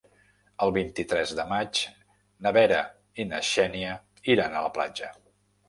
El vint-i-tres de maig na Vera i na Xènia iran a la platja.